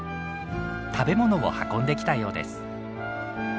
食べ物を運んできたようです。